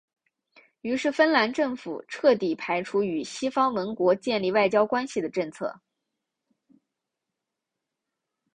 于是芬兰政府彻底排除与西方盟国建立外交关系的政策。